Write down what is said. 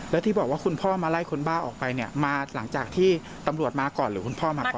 แล้วที่บอกว่าคุณพ่อมาไล่คุณบ้าออกไปเนี่ยมาหลังจากที่ตำรวจมาก่อนหรือคุณพ่อมาก่อน